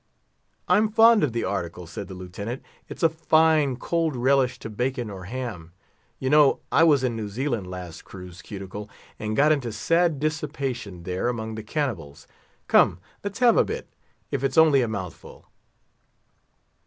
"I'm fond of the article," said the Lieutenant; "it's a fine cold relish to bacon or ham. You know, I was in New Zealand last cruise, Cuticle, and got into sad dissipation there among the cannibals; come, let's have a bit, if it's only a mouthful."